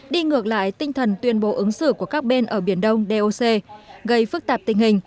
đi ngược lại tinh thần tuyên bố ứng xử của các bên ở biển đông doc gây phức tạp tình hình